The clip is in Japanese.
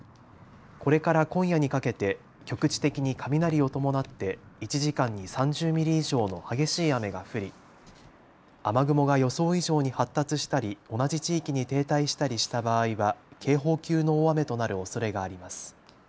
これから今夜にかけて局地的に雷を伴って１時間に３０ミリ以上の激しい雨が降り雨雲が予想以上に発達したり同じ地域に停滞したりした場合は警報級の大雨となるおそれがあります。